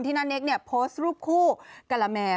ทินาเนคโพสต์รูปคู่การาแมน